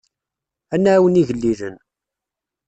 Ad nɛawen igellilen.